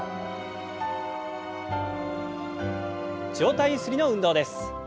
上体ゆすりの運動です。